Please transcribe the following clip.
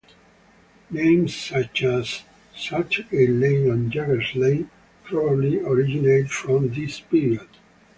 Names such as Saltergate Lane and Jaggers Lane probably originate from this period.